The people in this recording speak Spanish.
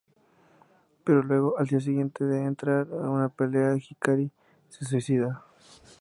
Pero luego, al día siguiente de entrar en una pelea Hikari se suicida.